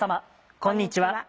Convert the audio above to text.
こんにちは。